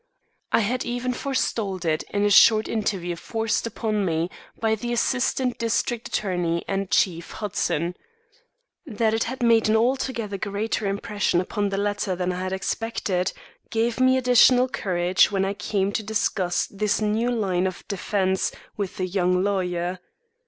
I had even forestalled it in a short interview forced upon me by the assistant district attorney and Chief Hudson. That it had made an altogether greater impression upon the latter than I had expected, gave me additional courage when I came to discuss this new line of defence with the young lawyer.